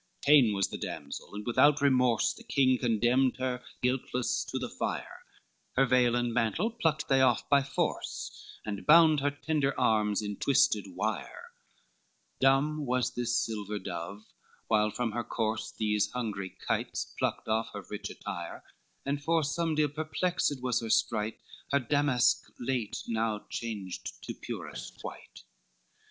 XXVI Ta'en was the damsel, and without remorse, The king condemned her guiltless to the fire, Her veil and mantle plucked they off by force, And bound her tender arms in twisted wire: Dumb was the silver dove, while from her corse These hungry kites plucked off her rich attire, And for some deal perplexed was her sprite, Her damask late, now changed to purest white.